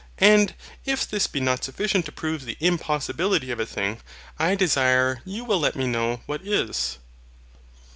And if this be not sufficient to prove the impossibility of a thing, I desire you will let me know what is.